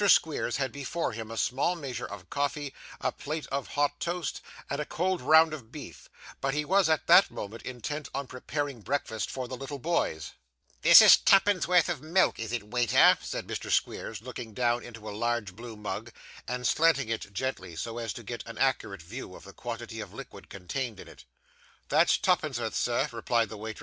Squeers had before him a small measure of coffee, a plate of hot toast, and a cold round of beef; but he was at that moment intent on preparing breakfast for the little boys. 'This is twopenn'orth of milk, is it, waiter?' said Mr. Squeers, looking down into a large blue mug, and slanting it gently, so as to get an accurate view of the quantity of liquid contained in it. 'That's twopenn'orth, sir,' replied the waiter.